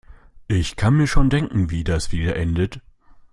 Ich kann mir schon denken, wie das wieder endet.